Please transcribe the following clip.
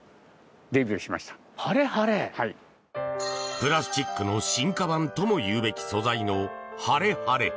プラスチックの進化版ともいうべき素材のハレハレ。